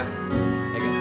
tidak ada yang bisa